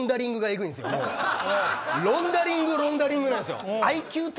ロンダリングロンダリングなんすよ。